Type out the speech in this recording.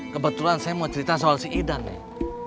kebetulan saya mau cerita soal si idan nih